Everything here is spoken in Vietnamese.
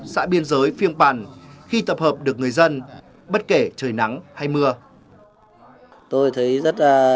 xã biên giới phiêng bản khi tập hợp được người dân bất kể trời nắng hay mưa